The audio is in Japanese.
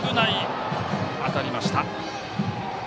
当たりました。